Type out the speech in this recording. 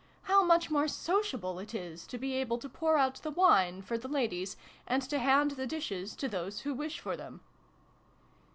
How much more sociable it is to be able to pour out the wine for the ladies, and to hand the dishes to those who wish for them